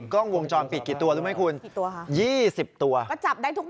ก็จับได้ทุกมุมนี่ไง